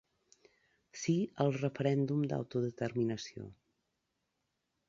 Sí al referèndum d’autodeterminació.